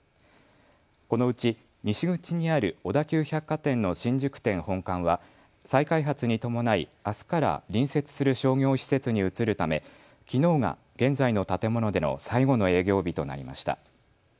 このうち西口にある小田急百貨店の新宿店本館は再開発に伴い、あすから隣接する商業施設に移るためきのうが現在の建物での最後の営業日となりました。